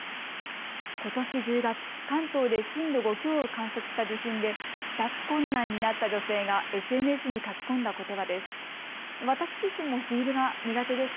ことし１０月、関東で震度５強を観測した地震で帰宅困難になった女性がＳＮＳに書き込んだことばです。